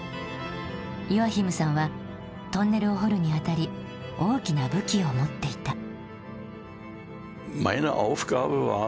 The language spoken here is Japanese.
ヨアヒムさんはトンネルを掘るにあたり大きな武器を持っていた。